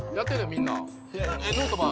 みんな。